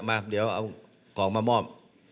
มาเดี๋ยวเอาของมามอบ